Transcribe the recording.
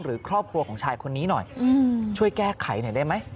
หรือครอบครัวของชายคนนี้หน่อยช่วยแก้ไขหน่อยได้ไหม